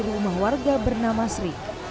rumah warga bernama sri